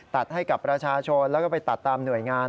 ตัดให้กับประชาชนแล้วก็ไปตัดตามหน่วยงาน